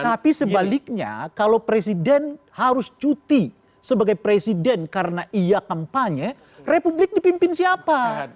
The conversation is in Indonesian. tapi sebaliknya kalau presiden harus cuti sebagai presiden karena ia kampanye republik dipimpin siapa